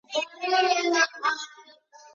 韦尔诺伊亨是德国勃兰登堡州的一个市镇。